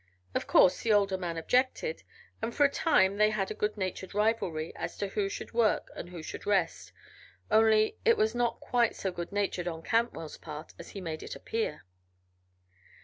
Of course the older man objected, and for a time they had a good natured rivalry as to who should work and who should rest only it was not quite so good natured on Cantwell's part as he made it appear.